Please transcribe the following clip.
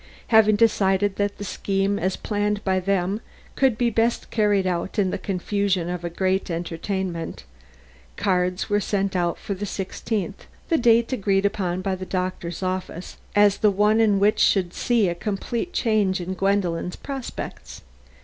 Having decided that the scheme as planned by them could be best carried out in the confusion of a great entertainment, cards were sent out for the sixteenth, the date agreed upon in the doctor's office as the one which should see a complete change in Gwendolen's prospects.